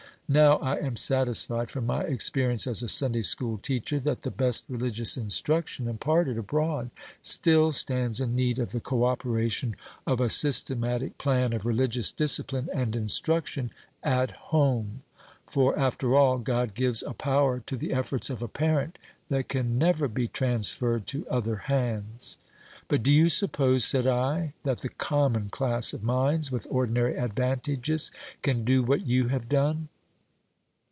Now, I am satisfied, from my experience as a Sabbath school teacher, that the best religious instruction imparted abroad still stands in need of the coöperation of a systematic plan of religious discipline and instruction at home; for, after all, God gives a power to the efforts of a parent that can never be transferred to other hands." "But do you suppose," said I, "that the common class of minds, with ordinary advantages, can do what you have done?"